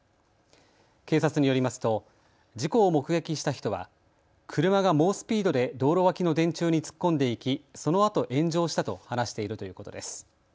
警察によりますと事故を目撃した人は車が猛スピードで道路脇の電柱に突っ込んでいき、そのあと炎上したと話しているということです。